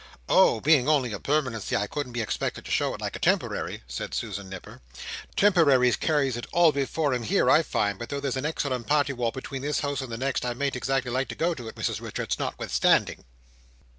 "Oh! Being only a permanency I couldn't be expected to show it like a temporary," said Susan Nipper. "Temporaries carries it all before 'em here, I find, but though there's a excellent party wall between this house and the next, I mayn't exactly like to go to it, Mrs Richards, notwithstanding!"